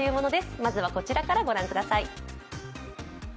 まずはこちらから御覧ください。